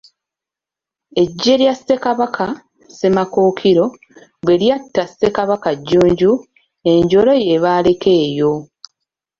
Eggye lya Ssekabaka Ssemakookiro bwe lyatta Ssekabaka Jjunju, enjole ye baaleka eyo.